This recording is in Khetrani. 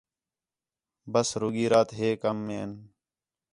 ٻسی رُگی رات ہے کم ہین